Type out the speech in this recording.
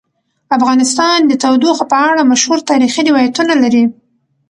افغانستان د تودوخه په اړه مشهور تاریخی روایتونه لري.